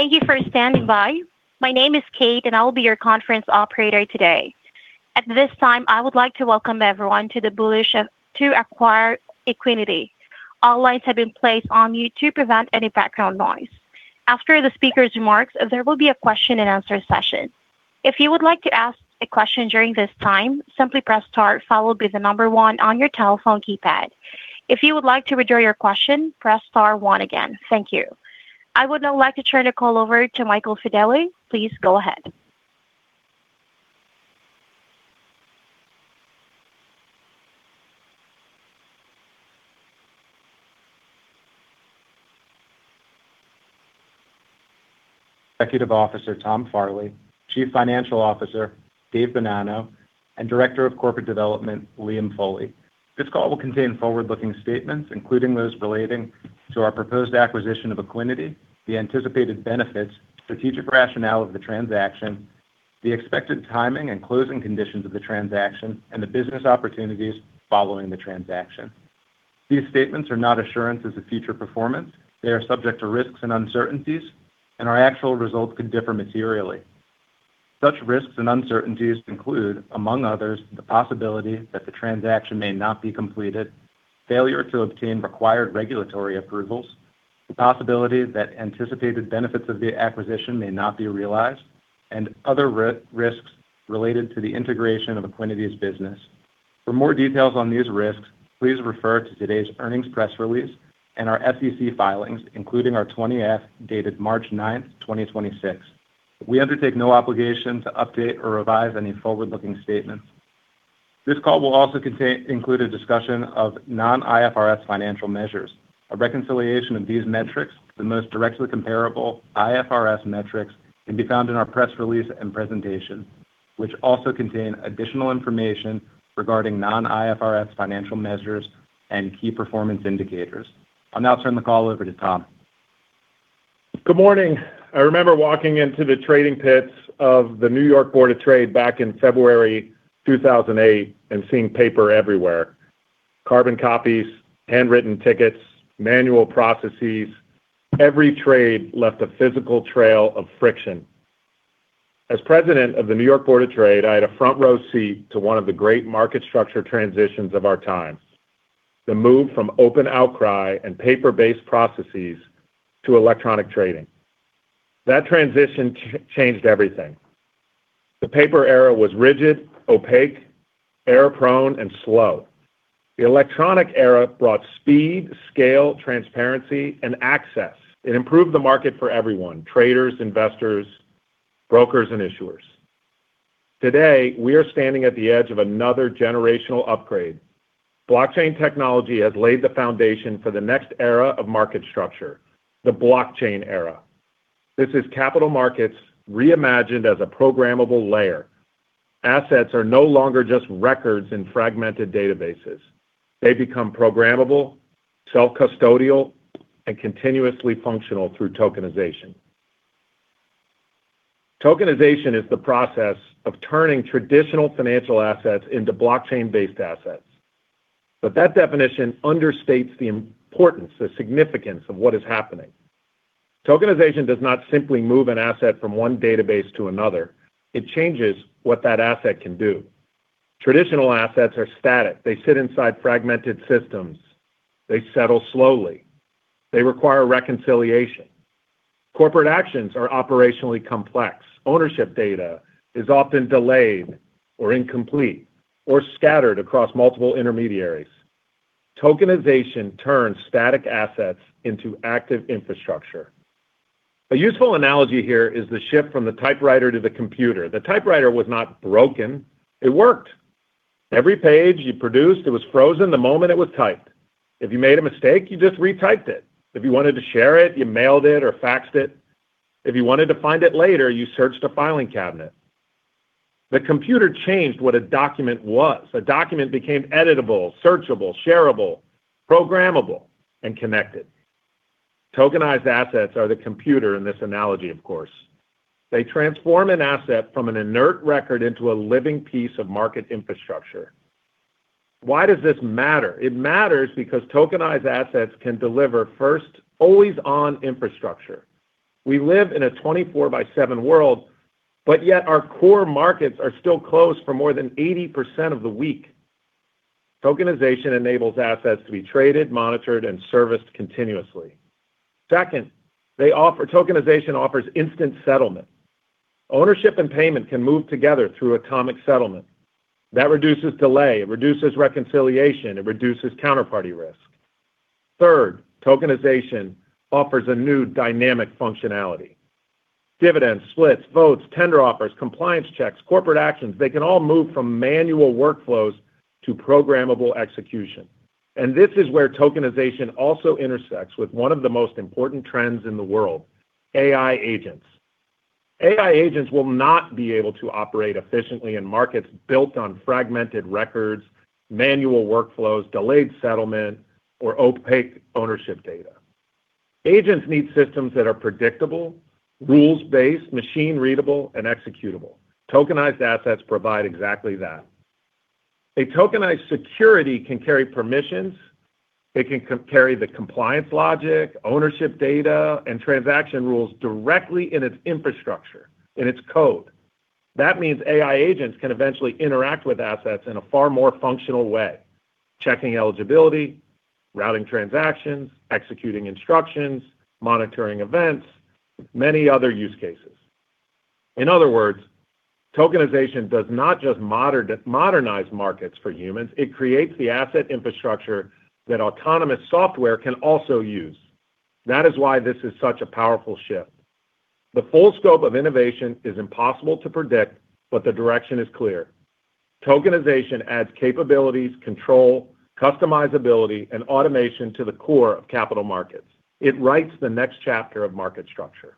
Thank you for standing by. My name is Kate, and I will be your conference operator today. At this time, I would like to welcome everyone to the Bullish to acquire Equiniti. All lines have been placed on mute to prevent any background noise. After the speaker's remarks, there will be a question and answer session. If you would like to ask a question during this time, simply press star followed by one on your telephone keypad. If you would like to withdraw your question, press star one again. Thank you. I would now like to turn the call over to Michael Fedele. Please go ahead. Executive Officer, Tom Farley, Chief Financial Officer, Dave Bonanno, and Director of Corporate Development, Liam Foley. This call will contain forward-looking statements, including those relating to our proposed acquisition of Equiniti, the anticipated benefits, strategic rationale of the transaction, the expected timing and closing conditions of the transaction, and the business opportunities following the transaction. These statements are not assurances of future performance. They are subject to risks and uncertainties, and our actual results could differ materially. Such risks and uncertainties include, among others, the possibility that the transaction may not be completed, failure to obtain required regulatory approvals, the possibility that anticipated benefits of the acquisition may not be realized, and other risks related to the integration of Equiniti's business. For more details on these risks, please refer to today's earnings press release and our SEC filings, including our 20-F, dated March 9th, 2026. We undertake no obligation to update or revise any forward-looking statements. This call will also include a discussion of non-IFRS financial measures. A reconciliation of these metrics, the most directly comparable IFRS metrics, can be found in our press release and presentation, which also contain additional information regarding non-IFRS financial measures and key performance indicators. I'll now turn the call over to Tom. Good morning. I remember walking into the trading pits of the New York Board of Trade back in February 2008 and seeing paper everywhere. Carbon copies, handwritten tickets, manual processes. Every trade left a physical trail of friction. As President of the New York Board of Trade, I had a front-row seat to one of the great market structure transitions of our time. The move from open outcry and paper-based processes to electronic trading. That transition changed everything. The paper era was rigid, opaque, error-prone, and slow. The electronic era brought speed, scale, transparency, and access. It improved the market for everyone, traders, investors, brokers, and issuers. Today, we are standing at the edge of another generational upgrade. Blockchain technology has laid the foundation for the next era of market structure, the blockchain era. This is capital markets reimagined as a programmable layer. Assets are no longer just records in fragmented databases. They become programmable, self-custodial, and continuously functional through tokenization. Tokenization is the process of turning traditional financial assets into blockchain-based assets. That definition understates the importance, the significance of what is happening. Tokenization does not simply move an asset from one database to another. It changes what that asset can do. Traditional assets are static. They sit inside fragmented systems. They settle slowly. They require reconciliation. Corporate actions are operationally complex. Ownership data is often delayed or incomplete or scattered across multiple intermediaries. Tokenization turns static assets into active infrastructure. A useful analogy here is the shift from the typewriter to the computer. The typewriter was not broken. It worked. Every page you produced, it was frozen the moment it was typed. If you made a mistake, you just retyped it. If you wanted to share it, you mailed it or faxed it. If you wanted to find it later, you searched a filing cabinet. The computer changed what a document was. A document became editable, searchable, shareable, programmable, and connected. Tokenized assets are the computer in this analogy, of course. They transform an asset from an inert record into a living piece of market infrastructure. Why does this matter? It matters because tokenized assets can deliver first, always-on infrastructure. We live in a 24 by 7 world, but yet our core markets are still closed for more than 80% of the week. Tokenization enables assets to be traded, monitored, and serviced continuously. Second, tokenization offers instant settlement. Ownership and payment can move together through atomic settlement. That reduces delay, it reduces reconciliation, it reduces counterparty risk. Third, tokenization offers a new dynamic functionality. Dividends, splits, votes, tender offers, compliance checks, corporate actions, they can all move from manual workflows to programmable execution. This is where tokenization also intersects with one of the most important trends in the world, AI agents. AI agents will not be able to operate efficiently in markets built on fragmented records, manual workflows, delayed settlement, or opaque ownership data. Agents need systems that are predictable, rules-based, machine-readable, and executable. Tokenized assets provide exactly that. A tokenized security can carry permissions, it can carry the compliance logic, ownership data, and transaction rules directly in its infrastructure, in its code. That means AI agents can eventually interact with assets in a far more functional way, checking eligibility, routing transactions, executing instructions, monitoring events, many other use cases. In other words, tokenization does not just modernize markets for humans, it creates the asset infrastructure that autonomous software can also use. That is why this is such a powerful shift. The full scope of innovation is impossible to predict, but the direction is clear. Tokenization adds capabilities, control, customizability, and automation to the core of capital markets. It writes the next chapter of market structure.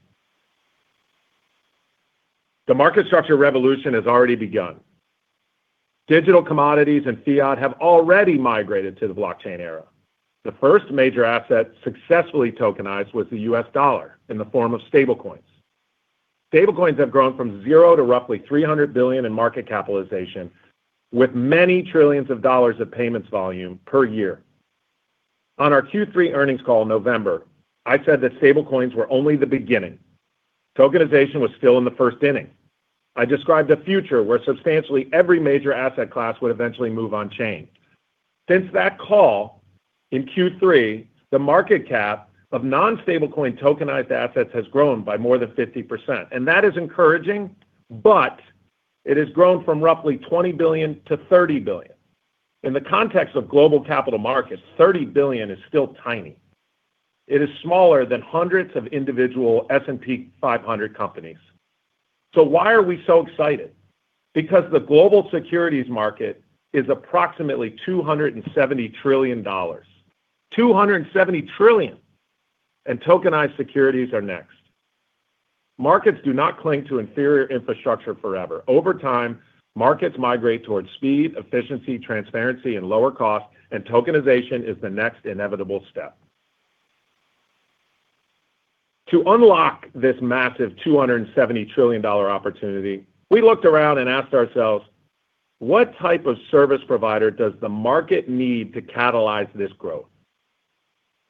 The market structure revolution has already begun. Digital commodities and fiat have already migrated to the blockchain era. The first major asset successfully tokenized was the U.S. dollar in the form of stablecoins. Stablecoins have grown from zero to roughly $300 billion in market capitalization, with many trillions of dollars of payments volume per year. On our Q3 earnings call in November, I said that stablecoins were only the beginning. Tokenization was still in the first inning. I described a future where substantially every major asset class would eventually move on chain. Since that call in Q3, the market cap of non-stablecoin tokenized assets has grown by more than 50%, and that is encouraging, but it has grown from roughly $20 billion-$30 billion. In the context of global capital markets, $30 billion is still tiny. It is smaller than hundreds of individual S&P 500 companies. Why are we so excited? Because the global securities market is approximately $270 trillion. $270 trillion. Tokenized securities are next. Markets do not cling to inferior infrastructure forever. Over time, markets migrate towards speed, efficiency, transparency, and lower cost. Tokenization is the next inevitable step. To unlock this massive $270 trillion opportunity, we looked around and asked ourselves, "What type of service provider does the market need to catalyze this growth?"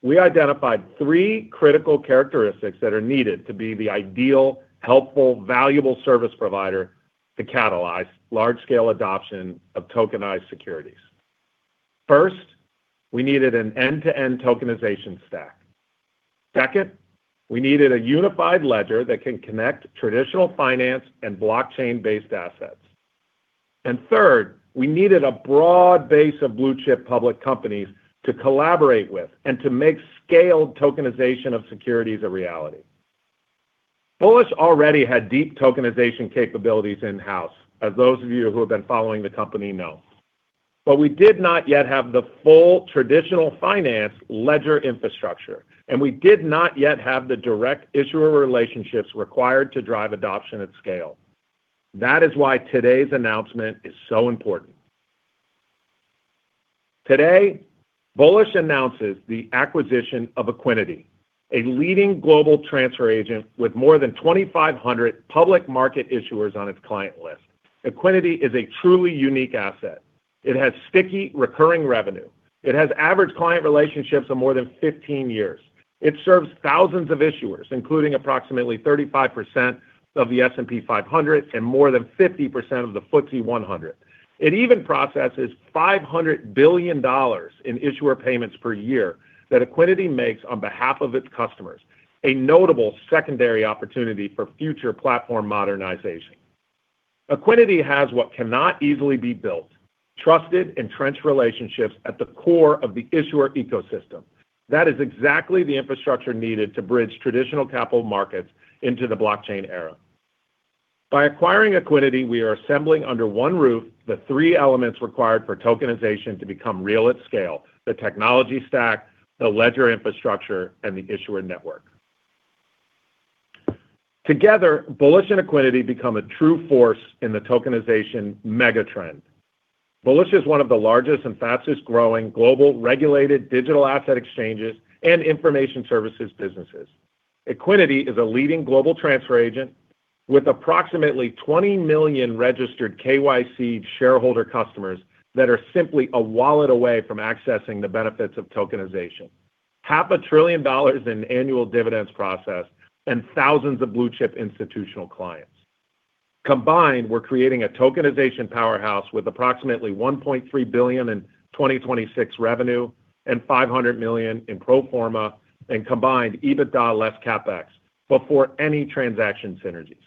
We identified three critical characteristics that are needed to be the ideal, helpful, valuable service provider to catalyze large-scale adoption of tokenized securities. First, we needed an end-to-end tokenization stack. Second, we needed a unified ledger that can connect traditional finance and blockchain-based assets. Third, we needed a broad base of blue-chip public companies to collaborate with and to make scaled tokenization of securities a reality. Bullish already had deep tokenization capabilities in-house, as those of you who have been following the company know. We did not yet have the full traditional finance ledger infrastructure, and we did not yet have the direct issuer relationships required to drive adoption at scale. That is why today's announcement is so important. Today, Bullish announces the acquisition of Equiniti, a leading global transfer agent with more than 2,500 public market issuers on its client list. Equiniti is a truly unique asset. It has sticky, recurring revenue. It has average client relationships of more than 15 years. It serves thousands of issuers, including approximately 35% of the S&P 500 and more than 50% of the FTSE 100. It even processes $500 billion in issuer payments per year that Equiniti makes on behalf of its customers, a notable secondary opportunity for future platform modernization. Equiniti has what cannot easily be built, trusted, entrenched relationships at the core of the issuer ecosystem. That is exactly the infrastructure needed to bridge traditional capital markets into the blockchain era. By acquiring Equiniti, we are assembling under one roof the three elements required for tokenization to become real at scale: the technology stack, the ledger infrastructure, and the issuer network. Together, Bullish and Equiniti become a true force in the tokenization mega trend. Bullish is one of the largest and fastest-growing global regulated digital asset exchanges and information services businesses. Equiniti is a leading global transfer agent with approximately 20 million registered KYC shareholder customers that are simply a wallet away from accessing the benefits of tokenization. $500 billion in annual dividends processed and thousands of blue-chip institutional clients. Combined, we're creating a tokenization powerhouse with approximately $1.3 billion in 2026 revenue and $500 million in pro forma and combined EBITDA less CapEx before any transaction synergies.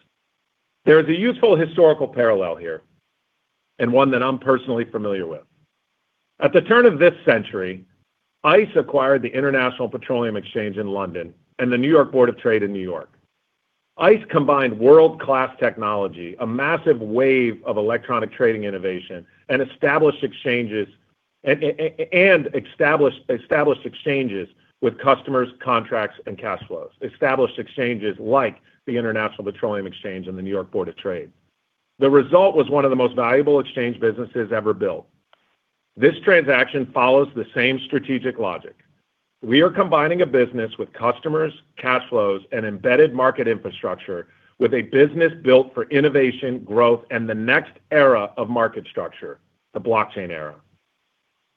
There is a useful historical parallel here, and one that I'm personally familiar with. At the turn of this century, ICE acquired the International Petroleum Exchange in London and the New York Board of Trade in New York. ICE combined world-class technology, a massive wave of electronic trading innovation, and established exchanges with customers, contracts, and cash flows. Established exchanges like the International Petroleum Exchange and the New York Board of Trade. The result was one of the most valuable exchange businesses ever built. This transaction follows the same strategic logic. We are combining a business with customers, cash flows, and embedded market infrastructure with a business built for innovation, growth, and the next era of market structure, the blockchain era.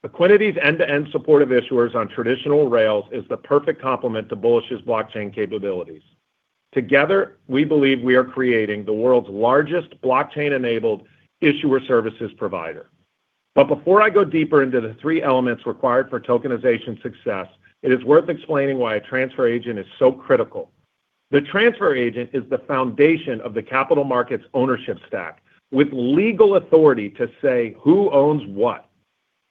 Equiniti's end-to-end support of issuers on traditional rails is the perfect complement to Bullish's blockchain capabilities. Together, we believe we are creating the world's largest blockchain-enabled issuer services provider. Before I go deeper into the three elements required for tokenization success, it is worth explaining why a transfer agent is so critical. The transfer agent is the foundation of the capital markets ownership stack, with legal authority to say who owns what.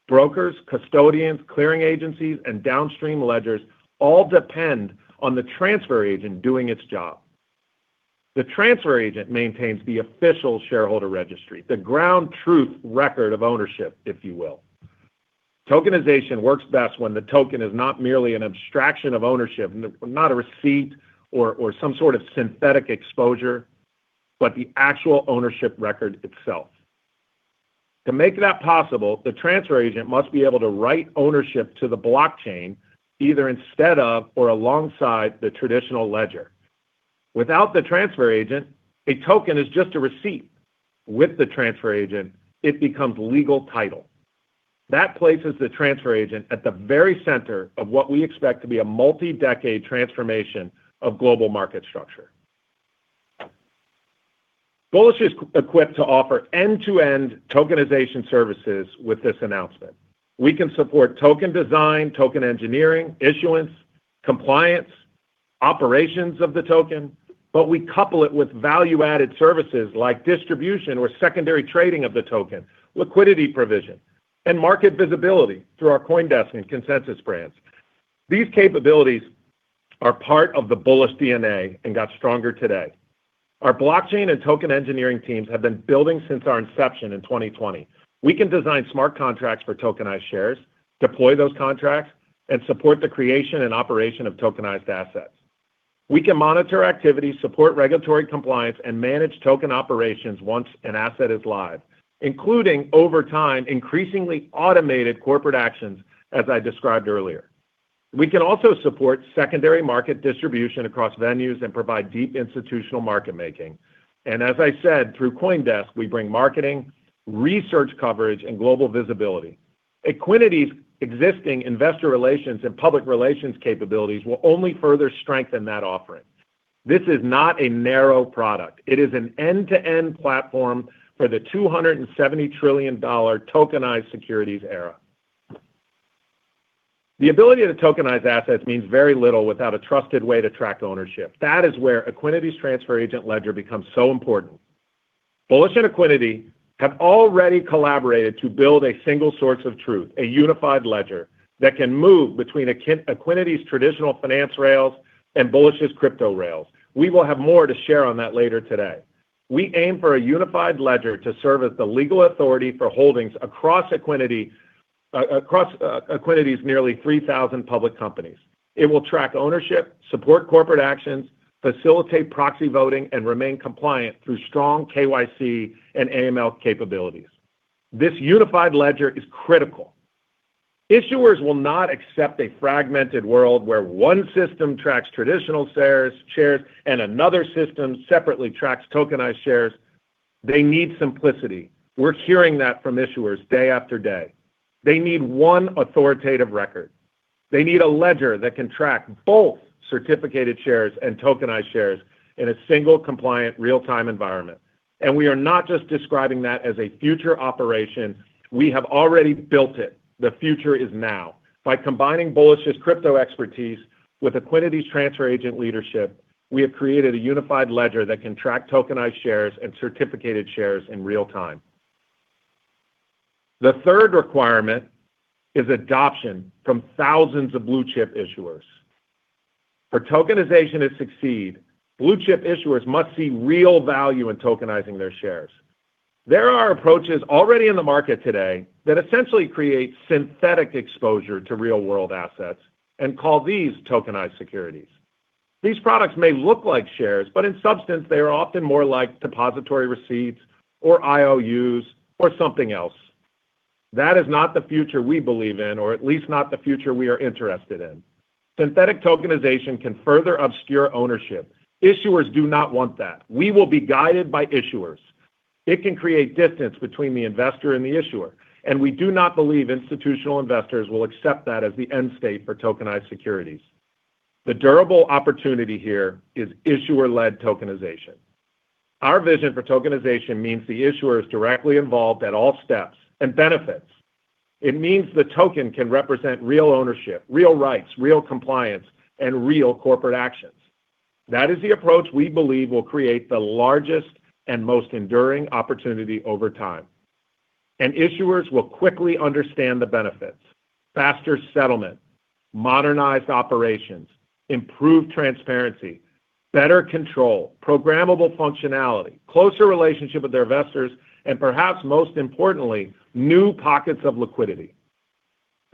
Brokers, custodians, clearing agencies, and downstream ledgers all depend on the transfer agent doing its job. The transfer agent maintains the official shareholder registry, the ground truth record of ownership, if you will. Tokenization works best when the token is not merely an abstraction of ownership, not a receipt or some sort of synthetic exposure, but the actual ownership record itself. To make that possible, the transfer agent must be able to write ownership to the blockchain either instead of or alongside the traditional ledger. Without the transfer agent, a token is just a receipt. With the transfer agent, it becomes legal title. That places the transfer agent at the very center of what we expect to be a multi-decade transformation of global market structure. Bullish is equipped to offer end-to-end tokenization services with this announcement. We can support token design, token engineering, issuance, compliance, operations of the token, but we couple it with value-added services like distribution or secondary trading of the token, liquidity provision, and market visibility through our CoinDesk and Consensus brands. These capabilities are part of the Bullish DNA and got stronger today. Our blockchain and token engineering teams have been building since our inception in 2020. We can design smart contracts for tokenized shares, deploy those contracts, and support the creation and operation of tokenized assets. We can monitor activity, support regulatory compliance, and manage token operations once an asset is live, including over time, increasingly automated corporate actions, as I described earlier. We can also support secondary market distribution across venues and provide deep institutional market making. As I said, through CoinDesk, we bring marketing, research coverage, and global visibility. Equiniti's existing investor relations and public relations capabilities will only further strengthen that offering. This is not a narrow product. It is an end-to-end platform for the $270 trillion tokenized securities era. The ability to tokenize assets means very little without a trusted way to track ownership. That is where Equiniti's transfer agent ledger becomes so important. Bullish and Equiniti have already collaborated to build a single source of truth, a unified ledger that can move between Equiniti's traditional finance rails and Bullish's crypto rails. We will have more to share on that later today. We aim for a unified ledger to serve as the legal authority for holdings across Equiniti, across Equiniti's nearly 3,000 public companies. It will track ownership, support corporate actions, facilitate proxy voting, and remain compliant through strong KYC and AML capabilities. This unified ledger is critical. Issuers will not accept a fragmented world where one system tracks traditional shares and another system separately tracks tokenized shares. They need simplicity. We're hearing that from issuers day after day. They need one authoritative record. They need a ledger that can track both certificated shares and tokenized shares in a single compliant real-time environment. We are not just describing that as a future operation. We have already built it. The future is now. By combining Bullish's crypto expertise with Equiniti's transfer agent leadership, we have created a unified ledger that can track tokenized shares and certificated shares in real time. The third requirement is adoption from thousands of blue-chip issuers. For tokenization to succeed, blue-chip issuers must see real value in tokenizing their shares. There are approaches already in the market today that essentially create synthetic exposure to real-world assets and call these tokenized securities. These products may look like shares, but in substance, they are often more like depository receipts or IOUs or something else. That is not the future we believe in, or at least not the future we are interested in. Synthetic tokenization can further obscure ownership. Issuers do not want that. We will be guided by issuers. It can create distance between the investor and the issuer, and we do not believe institutional investors will accept that as the end state for tokenized securities. The durable opportunity here is issuer-led tokenization. Our vision for tokenization means the issuer is directly involved at all steps and benefits. It means the token can represent real ownership, real rights, real compliance, and real corporate actions. That is the approach we believe will create the largest and most enduring opportunity over time. Issuers will quickly understand the benefits: faster settlement, modernized operations, improved transparency, better control, programmable functionality, closer relationship with their investors, and perhaps most importantly, new pockets of liquidity.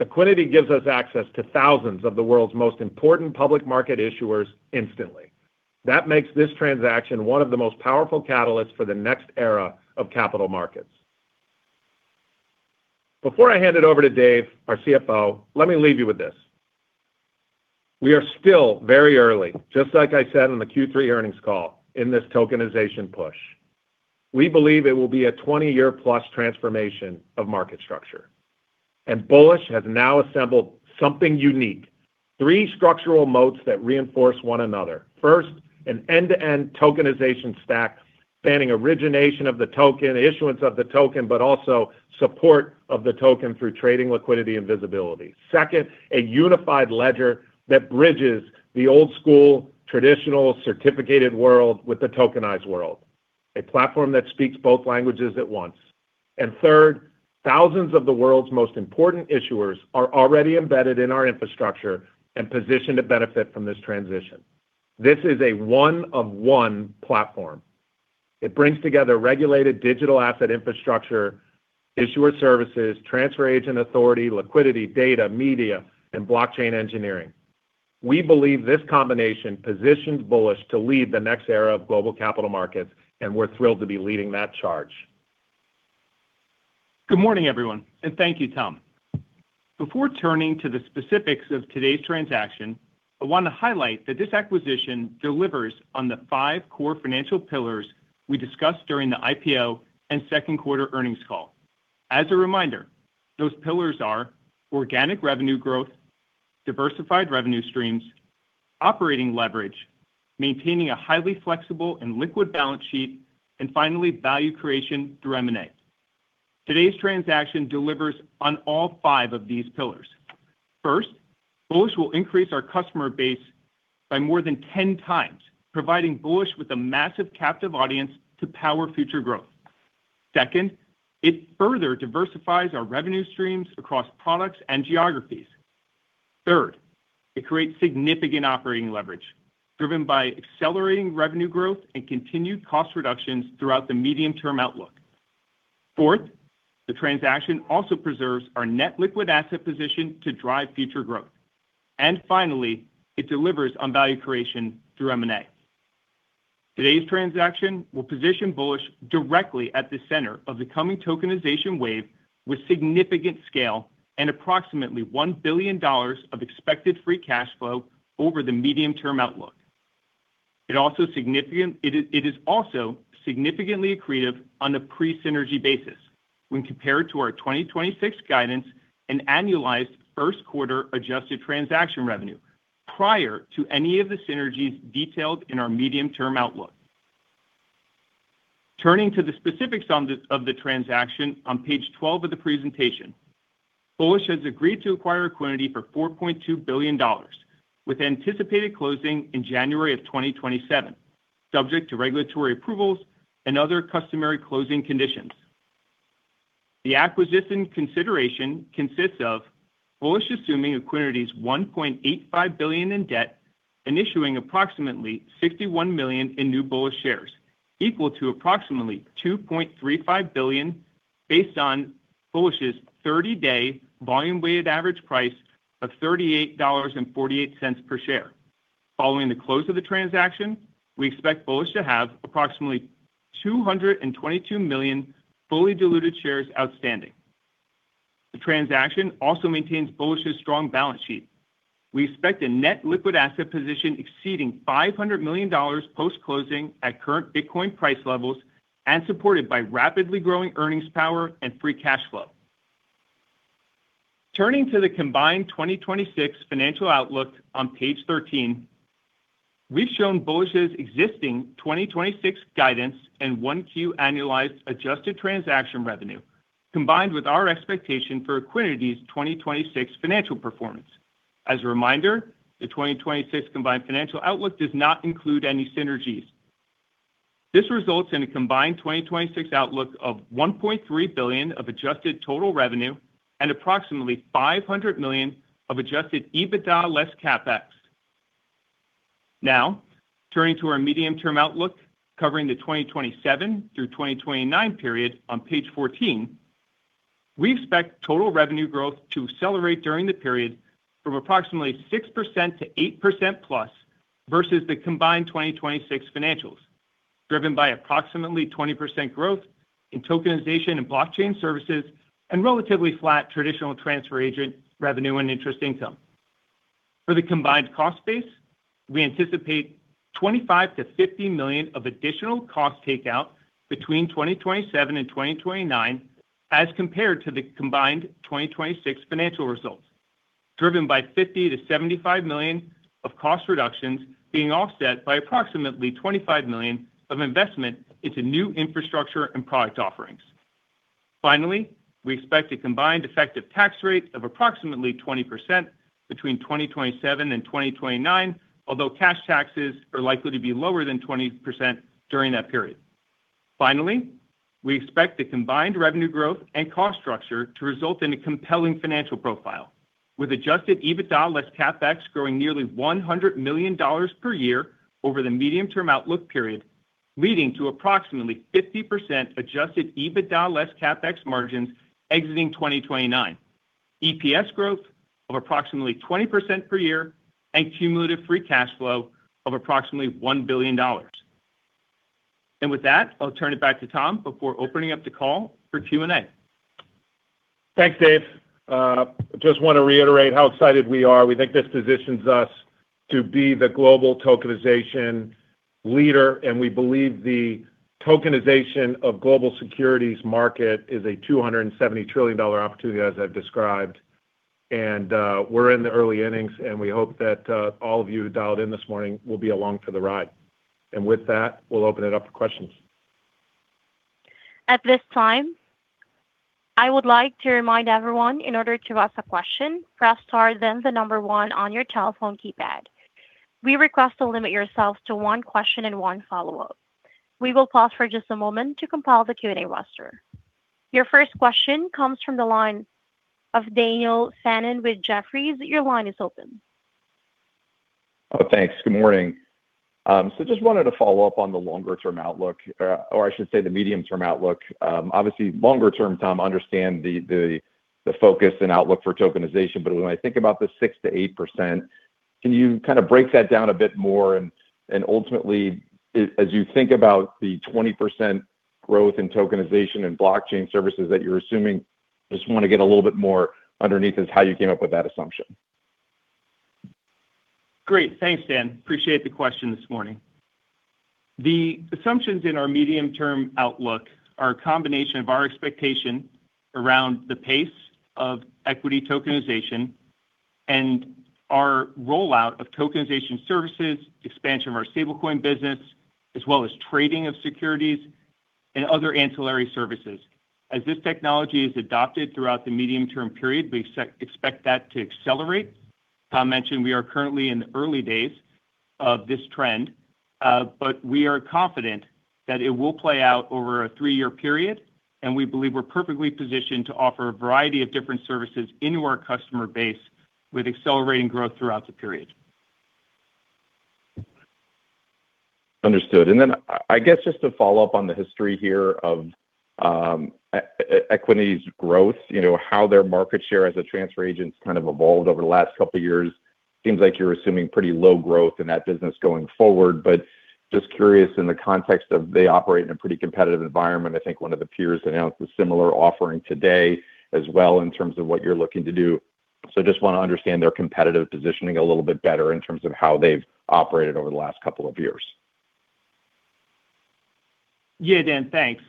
Equiniti gives us access to thousands of the world's most important public market issuers instantly. That makes this transaction one of the most powerful catalysts for the next era of capital markets. Before I hand it over to Dave, our CFO, let me leave you with this. We are still very early, just like I said in the Q3 earnings call, in this tokenization push. We believe it will be a 20+ year transformation of market structure. Bullish has now assembled something unique, three structural moats that reinforce one another. First, an end-to-end tokenization stack spanning origination of the token, issuance of the token, but also support of the token through trading liquidity and visibility. Second, a unified ledger that bridges the old school traditional certificated world with the tokenized world, a platform that speaks both languages at once. Third, thousands of the world's most important issuers are already embedded in our infrastructure and positioned to benefit from this transition. This is a one of one platform. It brings together regulated digital asset infrastructure, issuer services, transfer agent authority, liquidity, data, media, and blockchain engineering. We believe this combination positions Bullish to lead the next era of global capital markets. We're thrilled to be leading that charge. Good morning, everyone, and thank you, Tom. Before turning to the specifics of today's transaction, I wanna highlight that this acquisition delivers on the five core financial pillars we discussed during the IPO and second quarter earnings call. As a reminder, those pillars are organic revenue growth, diversified revenue streams, operating leverage, maintaining a highly flexible and liquid balance sheet, and finally, value creation through M&A. Today's transaction delivers on all five of these pillars. First, Bullish will increase our customer base by more than 10x, providing Bullish with a massive captive audience to power future growth. Second, it further diversifies our revenue streams across products and geographies. Third, it creates significant operating leverage, driven by accelerating revenue growth and continued cost reductions throughout the medium-term outlook. Fourth, the transaction also preserves our net liquid asset position to drive future growth. Finally, it delivers on value creation through M&A. Today's transaction will position Bullish directly at the center of the coming tokenization wave with significant scale and approximately $1 billion of expected free cash flow over the medium-term outlook. It is also significantly accretive on a pre-synergy basis when compared to our 2026 guidance and annualized first quarter adjusted transaction revenue prior to any of the synergies detailed in our medium-term outlook. Turning to the specifics of the transaction on page 12 of the presentation. Bullish has agreed to acquire Equiniti for $4.2 billion, with anticipated closing in January of 2027, subject to regulatory approvals and other customary closing conditions. The acquisition consideration consists of Bullish assuming Equiniti's $1.85 billion in debt and issuing approximately 61 million in new Bullish shares, equal to approximately $2.35 billion, based on Bullish's 30-day volume-weighted average price of $38.48 per share. Following the close of the transaction, we expect Bullish to have approximately 222 million fully diluted shares outstanding. The transaction also maintains Bullish's strong balance sheet. We expect a net liquid asset position exceeding $500 million post-closing at current Bitcoin price levels and supported by rapidly growing earnings power and free cash flow. Turning to the combined 2026 financial outlook on page 13, we've shown Bullish's existing 2026 guidance and 1Q annualized adjusted transaction revenue, combined with our expectation for Equiniti's 2026 financial performance. As a reminder, the 2026 combined financial outlook does not include any synergies. This results in a combined 2026 outlook of $1.3 billion of adjusted total revenue and approximately $500 million of adjusted EBITDA less CapEx. Turning to our medium-term outlook, covering the 2027 through 2029 period on page 14, we expect total revenue growth to accelerate during the period from approximately 6% to 8%+ versus the combined 2026 financials, driven by approximately 20% growth in tokenization and blockchain services and relatively flat traditional transfer agent revenue and interest income. For the combined cost base, we anticipate $25 million-$50 million of additional cost takeout between 2027 and 2029 as compared to the combined 2026 financial results, driven by $50 million-$75 million of cost reductions being offset by approximately $25 million of investment into new infrastructure and product offerings. We expect a combined effective tax rate of approximately 20% between 2027 and 2029, although cash taxes are likely to be lower than 20% during that period. We expect the combined revenue growth and cost structure to result in a compelling financial profile, with adjusted EBITDA less CapEx growing nearly $100 million per year over the medium-term outlook period, leading to approximately 50% adjusted EBITDA less CapEx margins exiting 2029. EPS growth of approximately 20% per year and cumulative free cash flow of approximately $1 billion. With that, I'll turn it back to Tom before opening up the call for Q&A. Thanks, Dave. Just wanna reiterate how excited we are. We think this positions us to be the global tokenization leader, and we believe the tokenization of global securities market is a $270 trillion opportunity, as I've described. We're in the early innings. We hope that all of you who dialed in this morning will be along for the ride. With that, we'll open it up for questions. We request to limit yourself to one question and one follow-up. We will pause for just a moment to compile the Q&A roster. Your first question comes from the line of Daniel Fannon with Jefferies. Oh, thanks. Good morning. Just wanted to follow up on the longer term outlook, or I should say the medium term outlook. Obviously longer term, Tom, understand the focus and outlook for tokenization, when I think about the 6%-8%, can you kind of break that down a bit more? Ultimately, as you think about the 20% growth in tokenization and blockchain services that you're assuming, just wanna get a little bit more underneath as how you came up with that assumption. Great. Thanks, Dan. Appreciate the question this morning. The assumptions in our medium term outlook are a combination of our expectation around the pace of equity tokenization and our rollout of tokenization services, expansion of our stablecoin business, as well as trading of securities and other ancillary services. As this technology is adopted throughout the medium term period, we expect that to accelerate. Tom mentioned we are currently in the early days of this trend, but we are confident that it will play out over a three-year period, and we believe we're perfectly positioned to offer a variety of different services into our customer base with accelerating growth throughout the period. Understood. I guess just to follow up on the history here of Equiniti's growth, you know, how their market share as a transfer agent's kind of evolved over the last couple years. Seems like you're assuming pretty low growth in that business going forward, but just curious in the context of they operate in a pretty competitive environment. I think one of the peers announced a similar offering today as well in terms of what you're looking to do. just wanna understand their competitive positioning a little bit better in terms of how they've operated over the last couple of years. Yeah, Dan, thanks.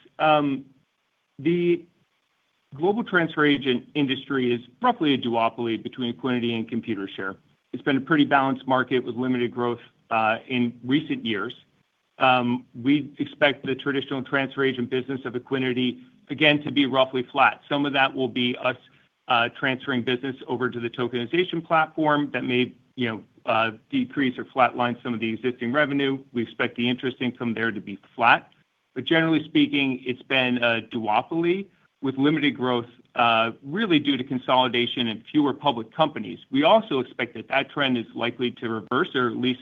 The global transfer agent industry is roughly a duopoly between Equiniti and Computershare. It's been a pretty balanced market with limited growth in recent years. We expect the traditional transfer agent business of Equiniti again to be roughly flat. Some of that will be us, transferring business over to the tokenization platform that may, you know, decrease or flatline some of the existing revenue. We expect the interest income there to be flat. Generally speaking, it's been a duopoly with limited growth really due to consolidation and fewer public companies. We also expect that trend is likely to reverse or at least,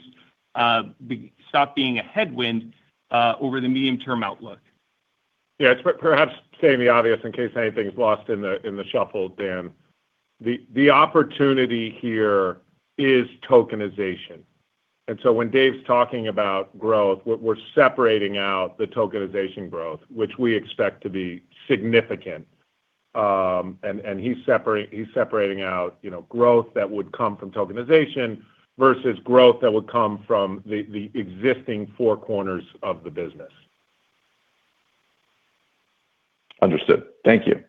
be stop being a headwind over the medium term outlook. Yeah, perhaps stating the obvious in case anything's lost in the shuffle, Dan. The opportunity here is tokenization. When Dave's talking about growth, we're separating out the tokenization growth, which we expect to be significant. And he's separating out, you know, growth that would come from tokenization versus growth that would come from the existing four corners of the business. Understood. Thank you.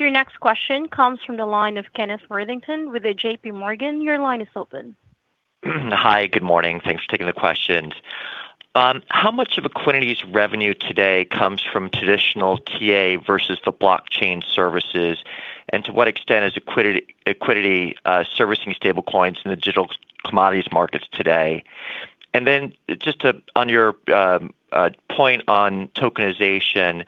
Your next question comes from the line of Kenneth Worthington with JPMorgan. Your line is open. Hi, good morning. Thanks for taking the questions. How much of Equiniti's revenue today comes from traditional TA versus the blockchain services? To what extent is Equiniti servicing stablecoins in the digital commodities markets today? Just to on your point on tokenization,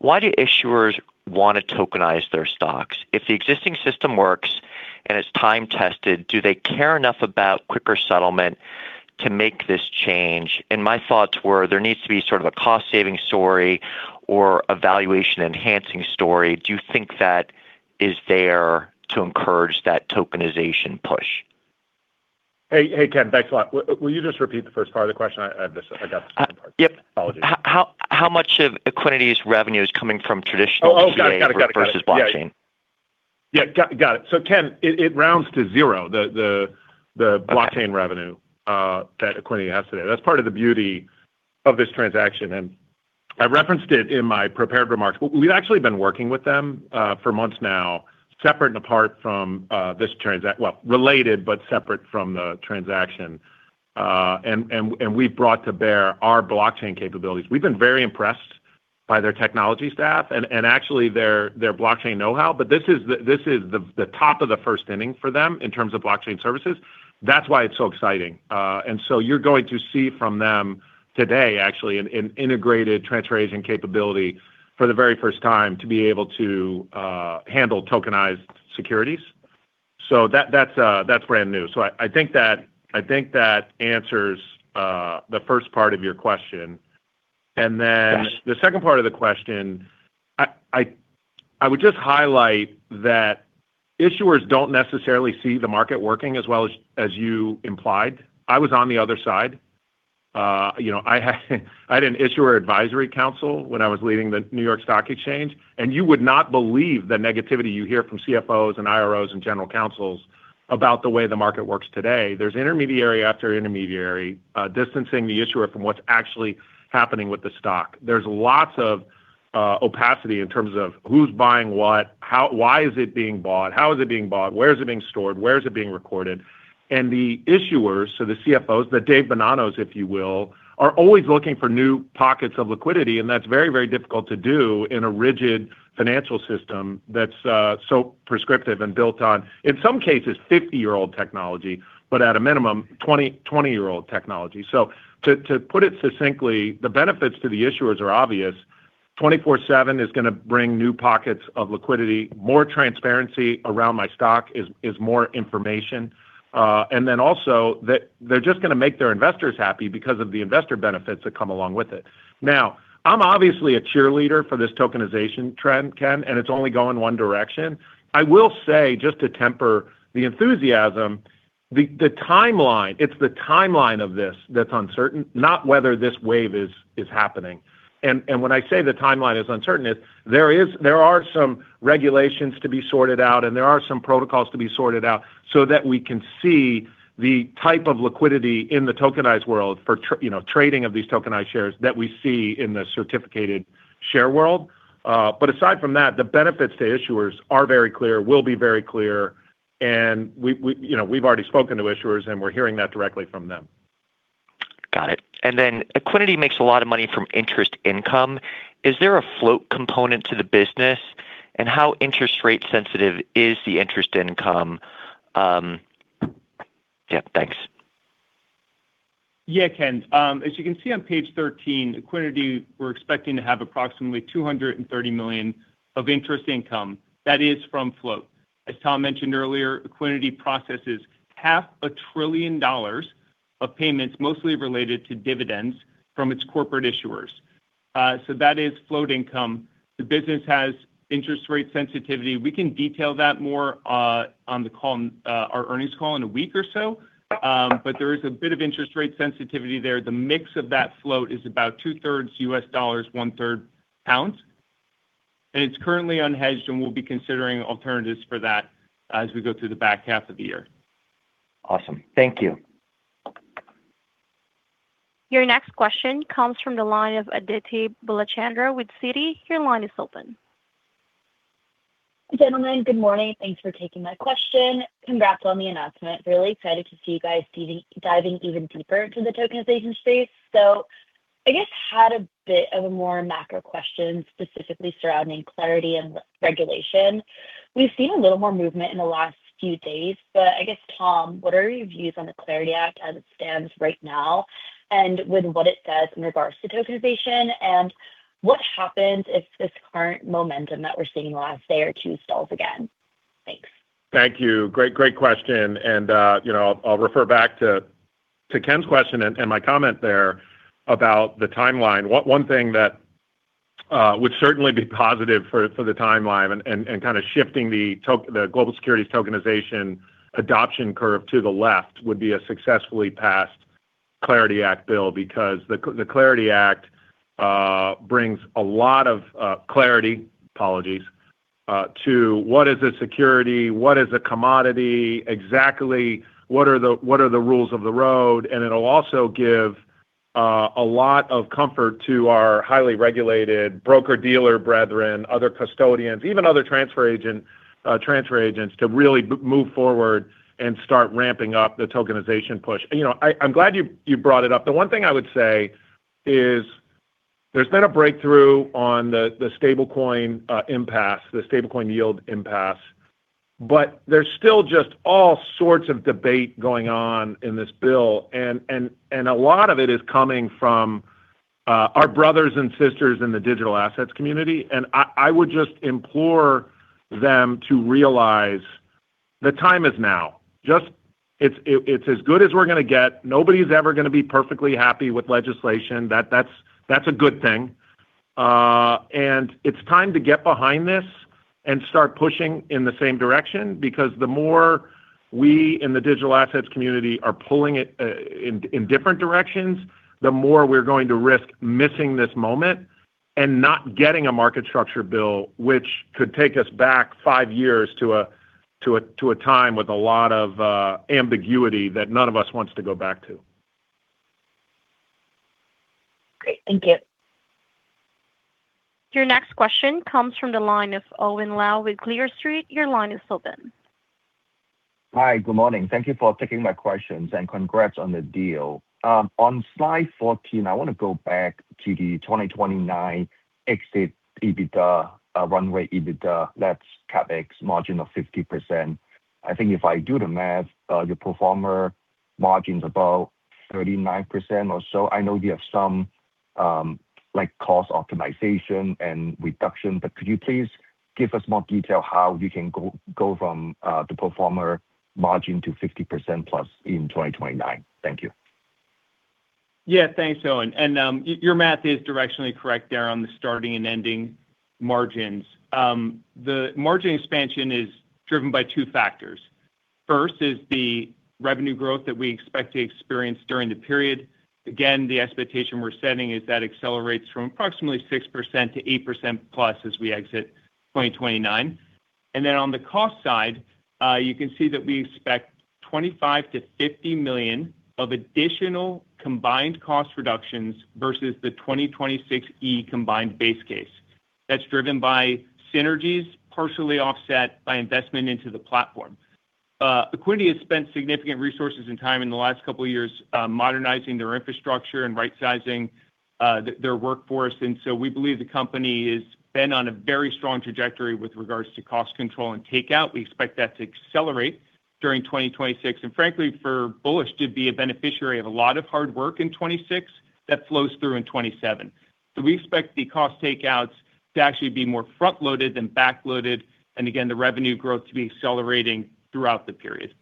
why do issuers wanna tokenize their stocks? If the existing system works and it's time-tested, do they care enough about quicker settlement to make this change? My thoughts were there needs to be sort of a cost-saving story or a valuation-enhancing story. Do you think that is there to encourage that tokenization push? Hey, hey, Ken. Thanks a lot. Will you just repeat the first part of the question? I just got the second part. Yep. Apologies. How much of Equiniti's revenue is coming from traditional TA? Got it. Yeah. versus blockchain? Yeah. Got it. Ken, it rounds to zero, the blockchain revenue that Equiniti has today. That's part of the beauty of this transaction, and I referenced it in my prepared remarks. We've actually been working with them for months now, separate and apart from Well, related, but separate from the transaction. We've brought to bear our blockchain capabilities. We've been very impressed by their technology staff and actually their blockchain know-how, but this is the top of the first inning for them in terms of blockchain services. That's why it's so exciting. You're going to see from them today actually an integrated transfer agent capability for the very first time to be able to handle tokenized securities. That's brand new. I think that answers the first part of your question. The second part of the question, I would just highlight that issuers don't necessarily see the market working as well as you implied. I was on the other side. You know, I had an issuer advisory council when I was leading the New York Stock Exchange, and you would not believe the negativity you hear from CFOs and IROs and general counsels about the way the market works today. There's intermediary after intermediary, distancing the issuer from what's actually happening with the stock. There's lots of opacity in terms of who's buying what, Why is it being bought? How is it being bought? Where is it being stored? Where is it being recorded? The issuers, so the CFOs, the Dave Bonanno, if you will, are always looking for new pockets of liquidity, and that's very, very difficult to do in a rigid financial system that's so prescriptive and built on, in some cases, 50-year-old technology, but at a minimum, 20-year-old technology. To put it succinctly, the benefits to the issuers are obvious. 24/7 is gonna bring new pockets of liquidity. More transparency around my stock is more information. They're just gonna make their investors happy because of the investor benefits that come along with it. I'm obviously a cheerleader for this tokenization trend, Ken, and it's only going one direction. I will say, just to temper the enthusiasm, the timeline, it's the timeline of this that's uncertain, not whether this wave is happening. When I say the timeline is uncertain, there are some regulations to be sorted out, and there are some protocols to be sorted out so that we can see the type of liquidity in the tokenized world for you know, trading of these tokenized shares that we see in the certificated share world. Aside from that, the benefits to issuers are very clear, will be very clear, and we, you know, we've already spoken to issuers, and we're hearing that directly from them. Got it. Equiniti makes a lot of money from interest income. Is there a float component to the business, and how interest rate sensitive is the interest income? Yeah, thanks. Yeah, Ken. As you can see on page 13, Equiniti, we're expecting to have approximately $230 million of interest income. That is from float. As Tom mentioned earlier, Equiniti processes $500 billion of payments, mostly related to dividends from its corporate issuers. That is float income. The business has interest rate sensitivity. We can detail that more on the call, our earnings call in a week or so. There is a bit of interest rate sensitivity there. The mix of that float is about 2/3 U.S. dollars, one-third pounds, and it's currently unhedged, and we'll be considering alternatives for that as we go through the back half of the year. Awesome. Thank you. Your next question comes from the line of Aditi Balachandran with Citi. Gentlemen, good morning. Thanks for taking my question. Congrats on the announcement. Really excited to see you guys diving even deeper into the tokenization space. I guess had a bit of a more macro question, specifically surrounding Clarity and regulation. We've seen a little more movement in the last few days, but I guess, Tom, what are your views on the Clarity Act as it stands right now, and with what it does in regards to tokenization, and what happens if this current momentum that we're seeing in the last day or two stalls again? Thanks. Thank you. Great, great question. You know, I'll refer back to Ken's question and my comment there about the timeline. One thing that would certainly be positive for the timeline and kinda shifting the global securities tokenization adoption curve to the left would be a successfully passed Clarity Act bill because the Clarity Act brings a lot of clarity, apologies, to what is a security, what is a commodity, exactly what are the rules of the road, and it'll also give a lot of comfort to our highly regulated broker-dealer brethren, other custodians, even other transfer agents, to really move forward and start ramping up the tokenization push. You know, I'm glad you brought it up. The one thing I would say is there's been a breakthrough on the stablecoin impasse, the stablecoin yield impasse, but there's still just all sorts of debate going on in this bill. A lot of it is coming from our brothers and sisters in the digital assets community, and I would just implore them to realize the time is now. It's as good as we're gonna get. Nobody's ever gonna be perfectly happy with legislation. That's a good thing. It's time to get behind this and start pushing in the same direction because the more we in the digital assets community are pulling it in different directions, the more we're going to risk missing this moment and not getting a market structure bill, which could take us back five years to a time with a lot of ambiguity that none of us wants to go back to. Great. Thank you. Your next question comes from the line of Owen Lau with Clear Street. Your line is open. Hi. Good morning. Thank you for taking my questions, and congrats on the deal. On slide 14, I wanna go back to the 2029 exit EBITDA, runway EBITDA. That's CapEx margin of 50%. I think if I do the math, your pro forma margin's about 39% or so. I know you have some cost optimization and reduction, but could you please give us more detail how you can go from the pro forma margin to 50%+ in 2029? Thank you. Yeah. Thanks, Owen. your math is directionally correct there on the starting and ending margins. The margin expansion is driven by two factors. First is the revenue growth that we expect to experience during the period. Again, the expectation we're setting is that accelerates from approximately 6%-8%+ as we exit 2029. Then on the cost side, you can see that we expect $25 million-$50 million of additional combined cost reductions versus the 2026 E combined base case. That's driven by synergies, partially offset by investment into the platform. Equiniti has spent significant resources and time in the last couple of years, modernizing their infrastructure and rightsizing their workforce, so we believe the company has been on a very strong trajectory with regards to cost control and takeout. We expect that to accelerate during 2026. Frankly, for Bullish to be a beneficiary of a lot of hard work in 2026 that flows through in 2027. We expect the cost takeouts to actually be more front-loaded than back-loaded. Again, the revenue growth to be accelerating throughout the period.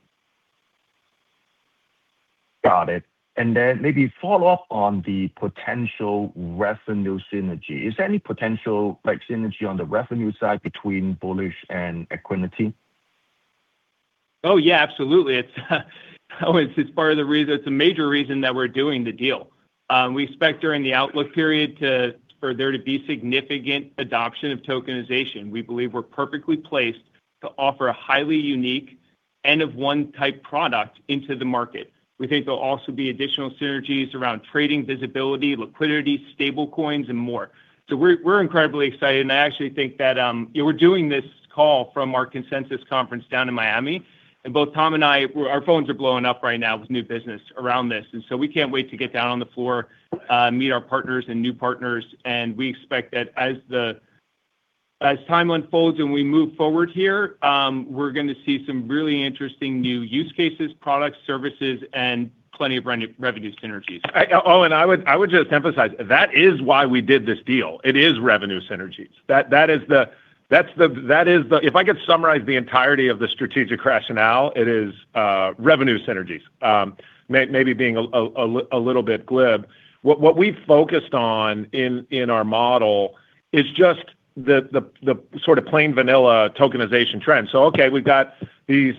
Got it. Maybe follow up on the potential revenue synergy. Is there any potential, like, synergy on the revenue side between Bullish and Equiniti? Yeah. Absolutely. It's a major reason that we're doing the deal. We expect during the outlook period for there to be significant adoption of tokenization. We believe we're perfectly placed to offer a highly unique and of one type product into the market. We think there'll also be additional synergies around trading visibility, liquidity, stablecoins, and more. We're incredibly excited. I actually think that, Yeah, we're doing this call from our Consensus conference down in Miami, and both Tom and I, our phones are blowing up right now with new business around this. We can't wait to get down on the floor, meet our partners and new partners, and we expect that as time unfolds and we move forward here, we're gonna see some really interesting new use cases, products, services, and plenty of revenue synergies. Owen, I would just emphasize, that is why we did this deal. It is revenue synergies. If I could summarize the entirety of the strategic rationale, it is revenue synergies. Maybe being a little bit glib. What we've focused on in our model is just the sort of plain vanilla tokenization trend. We've got these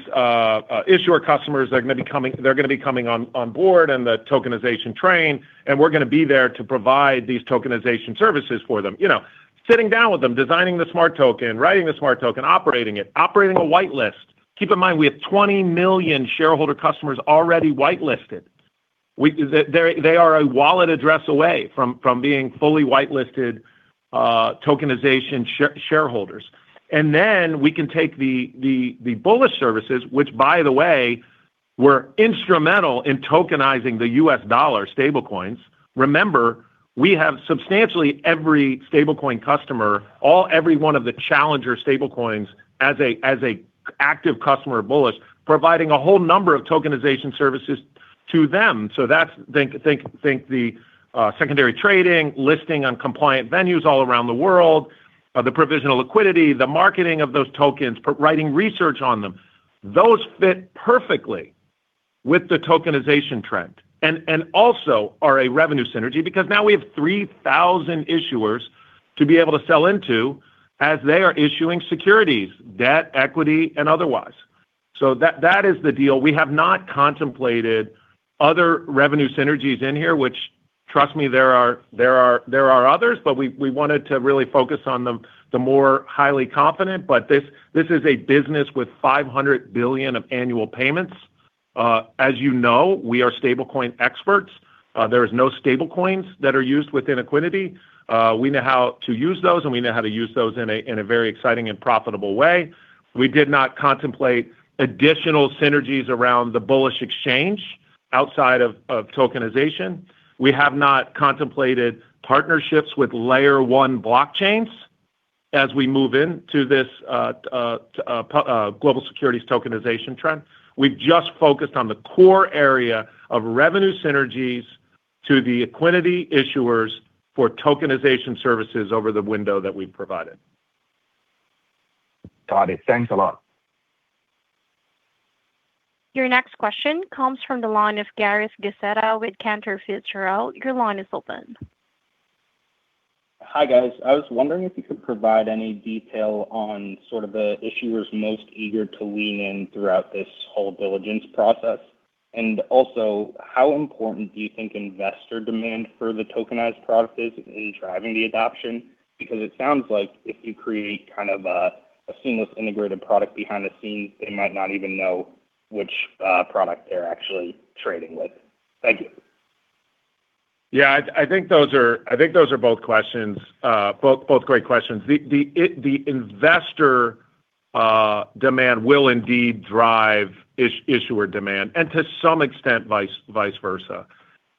issuer customers that are gonna be coming on board in the tokenization train, and we're gonna be there to provide these tokenization services for them. You know, sitting down with them, designing the smart token, writing the smart token, operating it, operating a white list. Keep in mind, we have 20 million shareholder customers already whitelisted. They are a wallet address away from being fully whitelisted tokenization shareholders. Then we can take the Bullish services, which by the way, were instrumental in tokenizing the U.S. dollar stablecoins. Remember, we have substantially every stablecoin customer, every one of the challenger stablecoins as an active customer of Bullish, providing a whole number of tokenization services to them. That's the secondary trading, listing on compliant venues all around the world, the provisional liquidity, the marketing of those tokens, writing research on them. Those fit perfectly with the tokenization trend and also are a revenue synergy because now we have 3,000 issuers to be able to sell into as they are issuing securities, debt, equity, and otherwise. That is the deal. We have not contemplated other revenue synergies in here, which trust me, there are others, we wanted to really focus on the more highly confident. This is a business with $500 billion of annual payments. As you know, we are stablecoin experts. There is no stablecoins that are used within Equiniti. We know how to use those, and we know how to use those in a very exciting and profitable way. We did not contemplate additional synergies around the Bullish exchange outside of tokenization. We have not contemplated partnerships with Layer 1 blockchains as we move into this global securities tokenization trend. We've just focused on the core area of revenue synergies to the Equiniti issuers for tokenization services over the window that we've provided. Got it. Thanks a lot. Your next question comes from the line of Gareth Gacetta with Cantor Fitzgerald. Your line is open. Hi, guys. I was wondering if you could provide any detail on sort of the issuers most eager to lean in throughout this whole diligence process. Also, how important do you think investor demand for the tokenized product is in driving the adoption? It sounds like if you create kind of a seamless integrated product behind the scenes, they might not even know which product they're actually trading with. Thank you. Yeah. I think those are both great questions. The investor demand will indeed drive issuer demand and to some extent vice versa.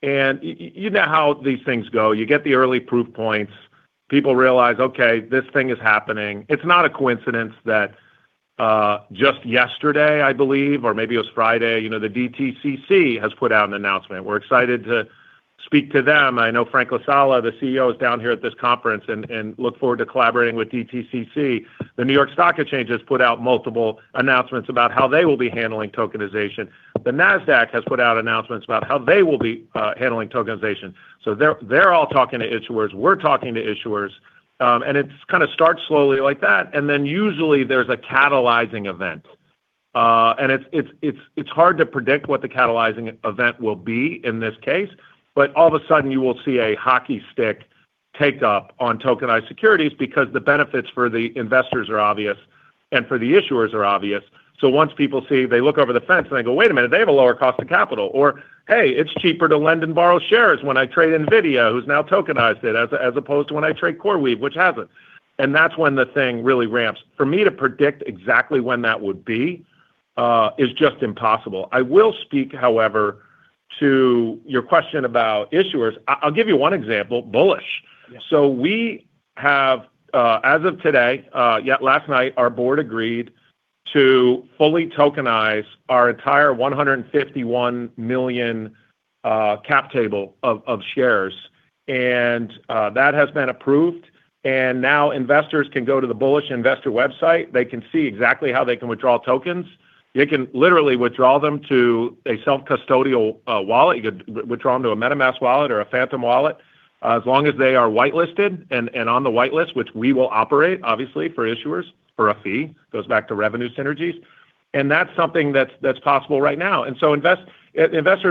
You know how these things go. You get the early proof points. People realize, "Okay, this thing is happening." It's not a coincidence that just yesterday, I believe, or maybe it was Friday, you know, the DTCC has put out an announcement. We're excited to speak to them. I know Frank La Salla, the CEO, is down here at this conference and look forward to collaborating with DTCC. The New York Stock Exchange has put out multiple announcements about how they will be handling tokenization. The Nasdaq has put out announcements about how they will be handling tokenization. They're all talking to issuers. We're talking to issuers. It's kinda starts slowly like that, and then usually there's a catalyzing event. It's hard to predict what the catalyzing event will be in this case, but all of a sudden you will see a hockey stick take up on tokenized securities because the benefits for the investors are obvious and for the issuers are obvious. Once people see, they look over the fence and they go, "Wait a minute, they have a lower cost of capital." Or, "Hey, it's cheaper to lend and borrow shares when I trade Nvidia, who's now tokenized it, as opposed to when I trade CoreWeave, which hasn't." That's when the thing really ramps. For me to predict exactly when that would be, is just impossible. I will speak, however, to your question about issuers. I'll give you one example, Bullish. Yeah. We have, as of today, yeah, last night, our board agreed to fully tokenize our entire $151 million Cap table of shares. That has been approved, and now investors can go to the Bullish investor website. They can see exactly how they can withdraw tokens. You can literally withdraw them to a self-custodial wallet. You could withdraw them to a MetaMask wallet or a Phantom wallet, as long as they are whitelisted and on the whitelist, which we will operate, obviously for issuers for a fee. Goes back to revenue synergies. That's something that's possible right now. Investors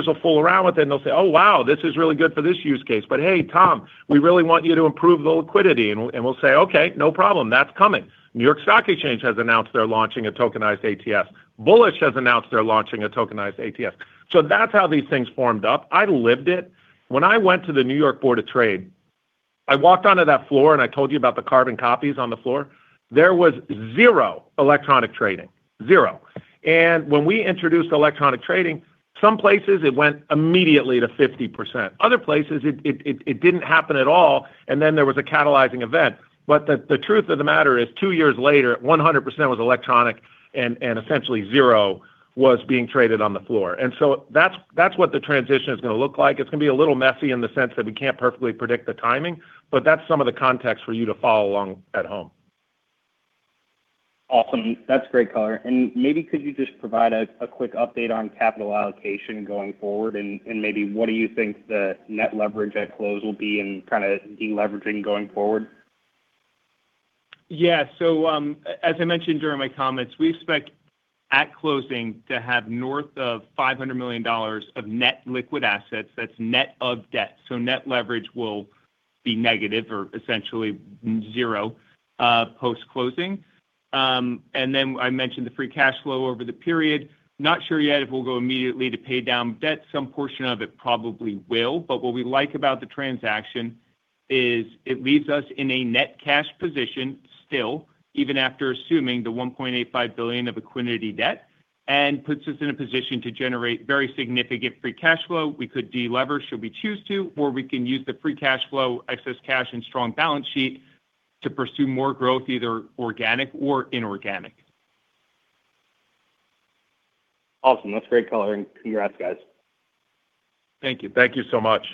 will fool around with it, and they'll say, "Oh, wow, this is really good for this use case. Hey, Tom, we really want you to improve the liquidity. We'll say, "Okay, no problem. That's coming." New York Stock Exchange has announced they're launching a tokenized ETF. Bullish has announced they're launching a tokenized ETF. That's how these things formed up. I lived it. When I went to the New York Board of Trade, I walked onto that floor, and I told you about the carbon copies on the floor. There was zero electronic trading. Zero. When we introduced electronic trading, some places it went immediately to 50%. Other places, it didn't happen at all, and then there was a catalyzing event. The truth of the matter is, two years later, 100% was electronic and essentially zero was being traded on the floor. That's what the transition is gonna look like. It's gonna be a little messy in the sense that we can't perfectly predict the timing. That's some of the context for you to follow along at home. Awesome. That's great color. Maybe could you just provide a quick update on capital allocation going forward, and maybe what do you think the net leverage at close will be in kinda de-leveraging going forward? Yeah. As I mentioned during my comments, we expect at closing to have north of $500 million of net liquid assets, that's net of debt. Net leverage will be negative or essentially zero post-closing. I mentioned the free cash flow over the period. Not sure yet if we'll go immediately to pay down debt. Some portion of it probably will. What we like about the transaction is it leaves us in a net cash position still, even after assuming the $1.85 billion of Equiniti debt, and puts us in a position to generate very significant free cash flow. We could de-leverage should we choose to, or we can use the free cash flow, excess cash, and strong balance sheet to pursue more growth, either organic or inorganic. Awesome. That's great color, and congrats, guys. Thank you. Thank you so much.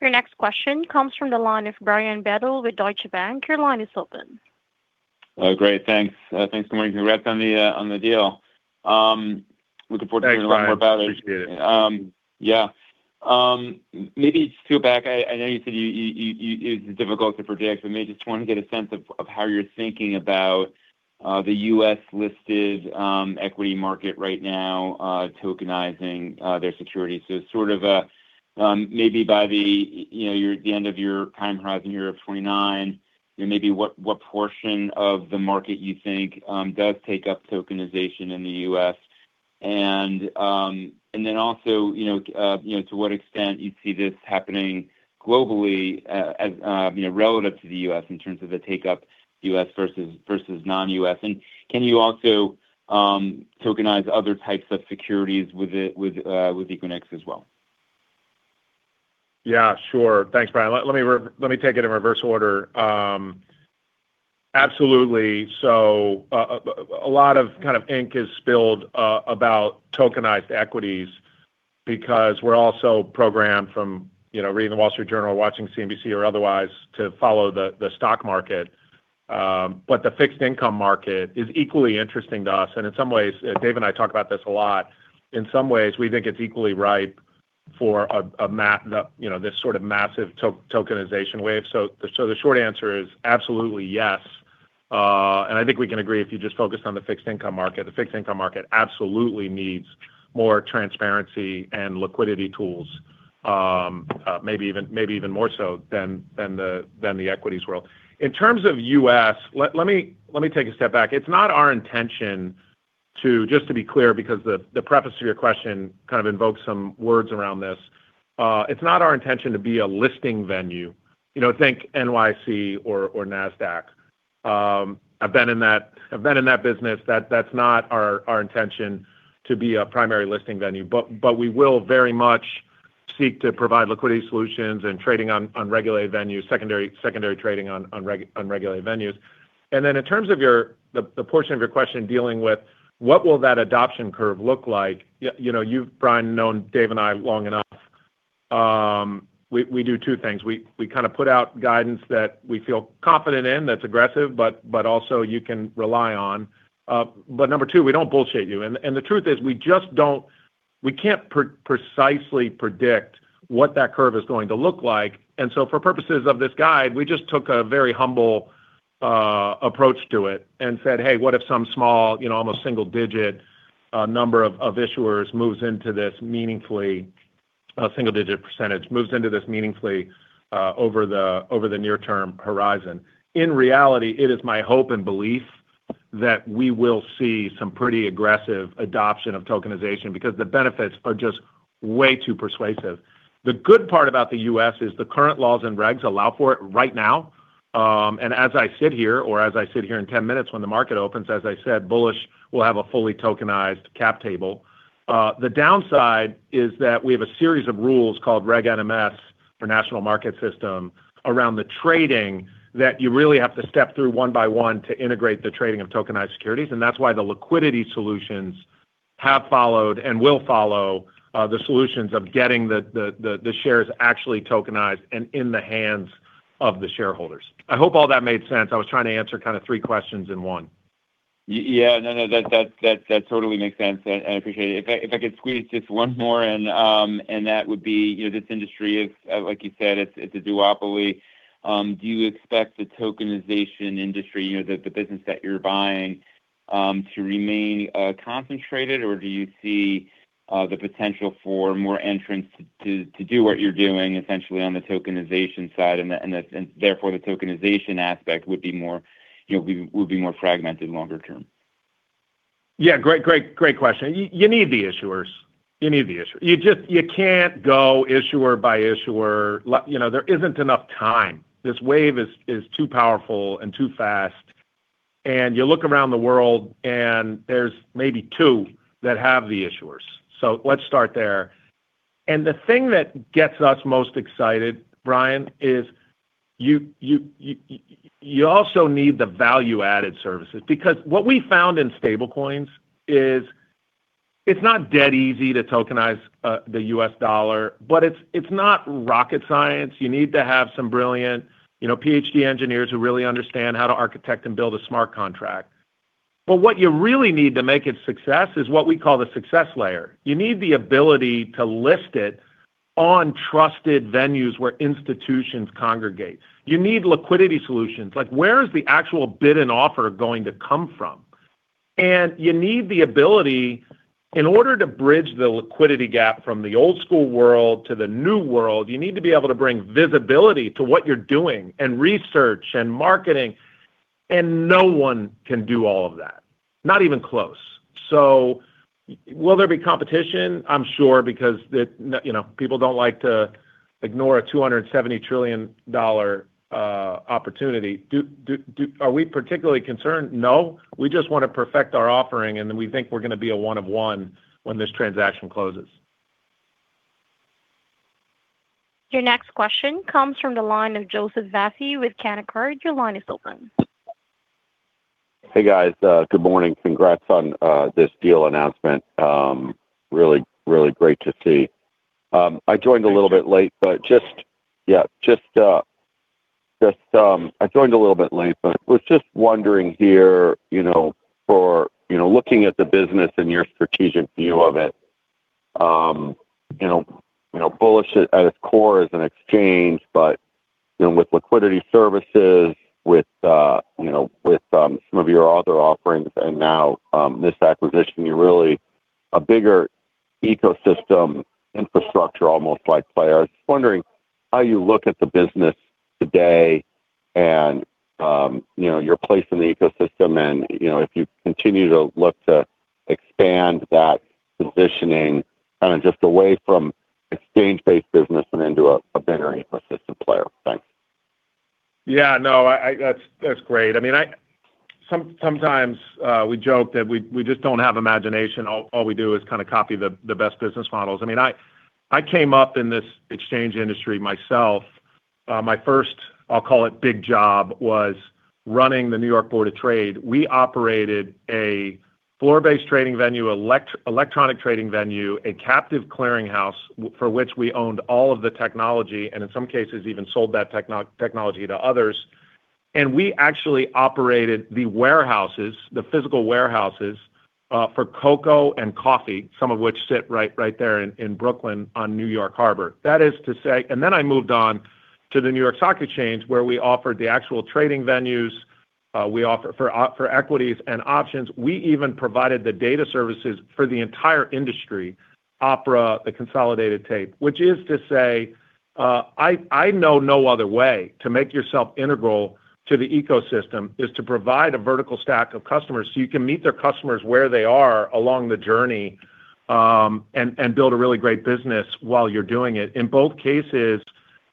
Your next question comes from the line of Brian Bedell with Deutsche Bank. Your line is open. Oh, great. Thanks. Thanks, good morning. Congrats on the deal. Thanks, Brian. to learn more about it. Appreciate it. Yeah. Maybe just to go back, I know you said you it's difficult to predict, but maybe just wanna get a sense of how you're thinking about the U.S. listed equity market right now, tokenizing their securities. So sort of a, maybe by the, you know, your, the end of your time horizon, year 2029, you know, maybe what portion of the market you think does take up tokenization in the U.S. And then also, you know, to what extent you see this happening globally, as, you know, relative to the U.S. in terms of the take-up U.S. versus non-U.S. And can you also tokenize other types of securities with it, with Equiniti as well? Yeah, sure. Thanks, Brian. Let me take it in reverse order. Absolutely. A lot of kind of ink is spilled about tokenized equities because we're all so programmed from, you know, reading The Wall Street Journal, watching CNBC or otherwise, to follow the stock market. The fixed income market is equally interesting to us. In some ways, Dave and I talk about this a lot. In some ways, we think it's equally ripe for a massive tokenization wave. The short answer is absolutely yes. I think we can agree, if you just focused on the fixed income market, the fixed income market absolutely needs more transparency and liquidity tools, maybe even more so than the equities world. In terms of U.S., let me take a step back. It's not our intention to, just to be clear, because the preface to your question kind of invokes some words around this. It's not our intention to be a listing venue. You know, think NYC or Nasdaq. I've been in that business. That's not our intention to be a primary listing venue. We will very much seek to provide liquidity solutions and trading on regulated venues, secondary trading on regulated venues. In terms of your, the portion of your question dealing with what will that adoption curve look like? You know, you've, Brian, known Dave and I long enough. We do two things. We kind of put out guidance that we feel confident in, that's aggressive, but also you can rely on. Number two, we don't bullshit you. The truth is, we can't precisely predict what that curve is going to look like. For purposes of this guide, we just took a very humble approach to it and said, "Hey, what if some small, you know, almost single-digit number of issuers moves into this meaningfully, a single-digit percentage, moves into this meaningfully over the near-term horizon?" In reality, it is my hope and belief that we will see some pretty aggressive adoption of tokenization because the benefits are just way too persuasive. The good part about the U.S. is the current laws and regs allow for it right now. As I sit here, or as I sit here in 10 minutes when the market opens, as I said, Bullish will have a fully tokenized cap table. The downside is that we have a series of rules called Reg NMS, for national market system, around the trading that you really have to step through one by one to integrate the trading of tokenized securities. That's why the liquidity solutions have followed and will follow, the solutions of getting the shares actually tokenized and in the hands of the shareholders. I hope all that made sense. I was trying to answer kind of three questions in one. Yeah. No, that totally makes sense, and I appreciate it. If I could squeeze just one more in, that would be, you know, this industry is, like you said, it's a duopoly. Do you expect the tokenization industry, you know, the business that you're buying, to remain concentrated, or do you see the potential for more entrants to do what you're doing essentially on the tokenization side and therefore the tokenization aspect would be more, you know, would be more fragmented longer term? Yeah, great, great question. You need the issuers. You need the issuers. You can't go issuer by issuer. You know, there isn't enough time. This wave is too powerful and too fast, and you look around the world, and there's maybe two that have the issuers. Let's start there. The thing that gets us most excited, Brian, is you also need the value-added services because what we found in stablecoins is it's not dead easy to tokenize the U.S. dollar, but it's not rocket science. You need to have some brilliant, you know, PhD engineers who really understand how to architect and build a smart contract. What you really need to make it success is what we call the success layer. You need the ability to list it on trusted venues where institutions congregate. You need liquidity solutions. Like, where is the actual bid and offer going to come from? You need the ability in order to bridge the liquidity gap from the old school world to the new world, you need to be able to bring visibility to what you're doing, and research, and marketing, and no one can do all of that. Not even close. Will there be competition? I'm sure because you know, people don't like to ignore a $270 trillion opportunity. Are we particularly concerned? No. We just wanna perfect our offering, we think we're gonna be a one of one when this transaction closes. Your next question comes from the line of Joseph Vafi with Canaccord. Your line is open. Hey, guys. Good morning. Congrats on this deal announcement. Really great to see. I joined a little bit late, but was just wondering here, you know, for, you know, looking at the business and your strategic view of it, you know, Bullish at its core is an exchange, but, you know, with liquidity services, with, you know, with some of your other offerings and now, this acquisition, you're really a bigger ecosystem infrastructure, almost like players. Wondering how you look at the business today and, you know, your place in the ecosystem and, you know, if you continue to look to expand that positioning kind of just away from exchange-based business and into a better ecosystem player. Thanks. Yeah, no, I That's great. I mean, sometimes we joke that we just don't have imagination. All we do is kind of copy the best business models. I mean, I came up in this exchange industry myself. My first, I'll call it, big job was running the New York Board of Trade. We operated a floor-based trading venue, electronic trading venue, a captive clearinghouse for which we owned all of the technology, and in some cases, even sold that technology to others. We actually operated the physical warehouses for cocoa and coffee, some of which sit right there in Brooklyn on New York Harbor. That is to say. Then I moved on to the New York Stock Exchange, where we offered the actual trading venues, we offer for equities and options. We even provided the data services for the entire industry, OPRA, the consolidated tape. Which is to say, I know no other way to make yourself integral to the ecosystem is to provide a vertical stack of customers so you can meet their customers where they are along the journey, and build a really great business while you're doing it. In both cases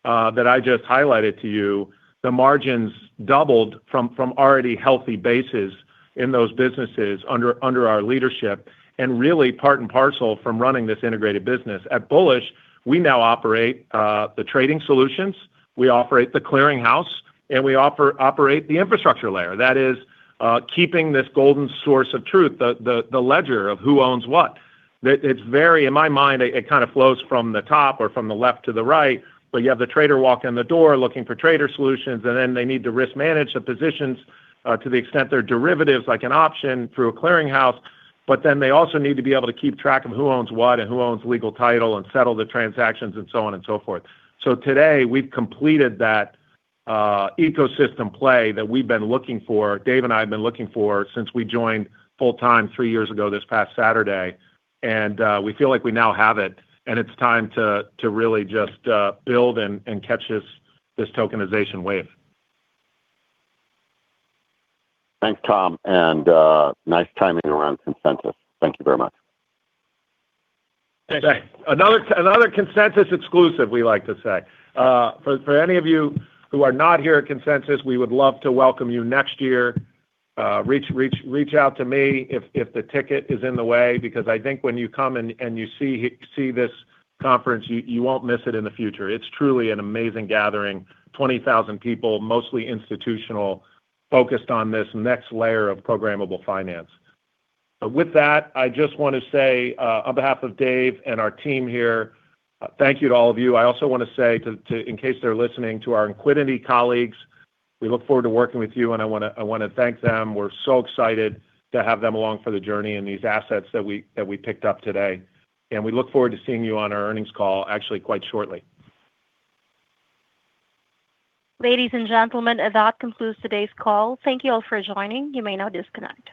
that I just highlighted to you, the margins doubled from already healthy bases in those businesses under our leadership, and really part and parcel from running this integrated business. At Bullish, we now operate the trading solutions, we operate the clearinghouse, and we operate the infrastructure layer. That is, keeping this golden source of truth, the ledger of who owns what. It's very In my mind, it kind of flows from the top or from the left to the right, but you have the trader walk in the door looking for trader solutions, and then they need to risk manage the positions, to the extent they're derivatives, like an option through a clearinghouse, but then they also need to be able to keep track of who owns what and who owns legal title and settle the transactions and so on and so forth. Today, we've completed that ecosystem play that we've been looking for, Dave and I have been looking for since we joined full-time three years ago this past Saturday, and we feel like we now have it, and it's time to really just build and catch this tokenization wave. Thanks, Tom, and nice timing around Consensus. Thank you very much. Thanks. Another Consensus exclusive, we like to say. For any of you who are not here at Consensus, we would love to welcome you next year. Reach out to me if the ticket is in the way because I think when you come and you see this conference, you won't miss it in the future. It's truly an amazing gathering. 20,000 people, mostly institutional, focused on this next layer of programmable finance. With that, I just wanna say on behalf of Dave and our team here, thank you to all of you. I also wanna say to in case they're listening, to our Equiniti colleagues, we look forward to working with you, and I wanna thank them. We're so excited to have them along for the journey and these assets that we picked up today. We look forward to seeing you on our earnings call actually quite shortly. Ladies and gentlemen, that concludes today's call. Thank you all for joining. You may now disconnect.